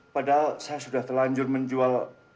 padahal saya sudah terlanjur menjual